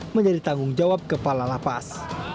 menjadi tanggung jawab kepala lapas